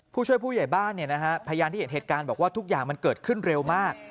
ผู้ช่วยผู้ใหญ่บ้านพยานที่เห็นเหตุการณ์บอกว่าทุกอย่างมันเกิดขึ้นเร็วมาก